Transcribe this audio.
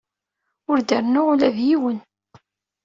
Ur d-rennuɣ ula d yiwen.